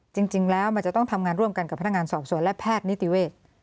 จริงแล้วมันจะต้องทำงานร่วมกันกับพนักงานสอบสวนและแพทย์นิติเวศ